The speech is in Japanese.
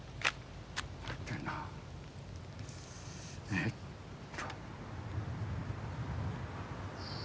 えっと。